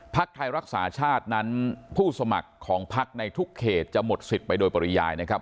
ไทยรักษาชาตินั้นผู้สมัครของพักในทุกเขตจะหมดสิทธิ์ไปโดยปริยายนะครับ